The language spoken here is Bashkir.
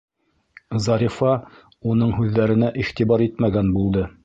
Зарифа уның һүҙҙәренә иғтибар итмәгән булды.